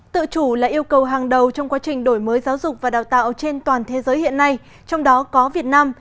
tự chủ là yêu cầu hàng đầu trong quá trình đổi mới giáo dục và đào tạo trên toàn thế giới hiện nay trong đó có việt nam